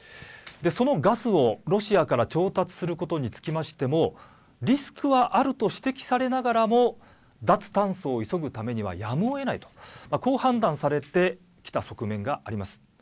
そのガスをロシアから調達することにつきましてもリスクはあると指摘されながらも脱炭素を急ぐためにはやむをえないとこう判断されてきた側面があります。